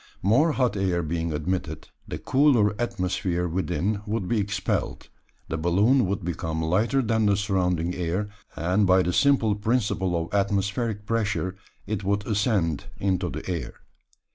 More hot air being admitted, the cooler atmosphere within would be expelled, the balloon would become lighter than the surrounding air, and by the simple principle of atmospheric pressure it would ascend into the air.